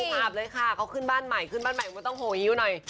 ดูภาพเลยค่ะเขาคืนห้มบ้านใหม่มาถึงต้องโหยิ้วหน่อย